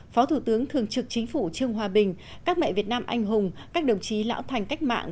phó thủ tướng thường trực chính phủ trương hòa bình các mẹ việt nam anh hùng các đồng chí lão thành cách mạng